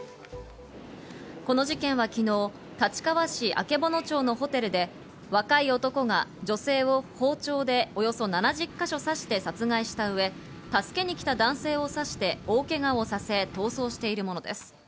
この事件は昨日、立川市曙町のホテルで若い男が女性を包丁でおよそ７０か所を刺して殺害したうえ、助けに来た男性を刺して大けがをさせ逃走しているものです。